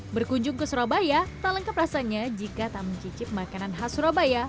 berkunjung ke surabaya tak lengkap rasanya jika tak mencicip makanan khas surabaya